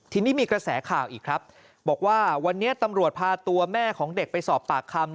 ทีนี้มีกระแสข่าวอีกครับบอกว่าวันนี้ตำรวจพาตัวแม่ของเด็กไปสอบปากคำ